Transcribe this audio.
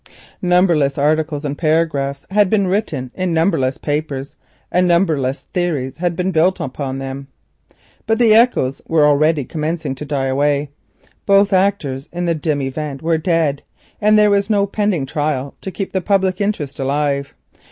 Numberless articles and paragraphs had been written in numberless papers, and numberless theories had been built upon them. But the echoes were already beginning to die away. Both actors in the dim event were dead, and there was no pending trial to keep the public interest alive.